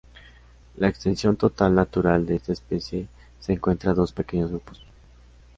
La extensión total natural de esta especie se encuentra a dos pequeños grupos.